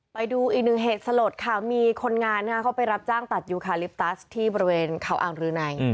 ไปดูอีกหนึ่งเหตุสลดค่ะมีคนงานเขาไปรับจ้างตัดยูคาลิปตัสที่บริเวณเขาอ่างรืนัย